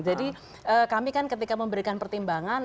jadi kami kan ketika memberikan pertimbangan